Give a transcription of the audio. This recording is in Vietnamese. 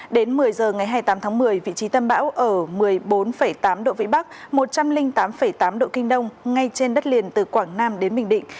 đến một mươi h ngày hai mươi tám tháng một mươi vị trí tâm bão ở một mươi bốn tám độ vĩ bắc một trăm linh tám tám độ kinh đông ngay trên đất liền từ quảng nam đến bình định